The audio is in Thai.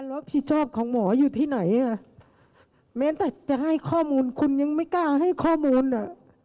รับผิดชอบของหมออยู่ที่ไหนอ่ะแม้แต่จะให้ข้อมูลคุณยังไม่กล้าให้ข้อมูลอ่ะ